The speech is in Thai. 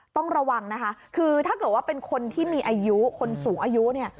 ต้องระวังนะคะคือถ้าเกิดว่าเป็นคนที่มีอายุคนสูงอายุเนี่ย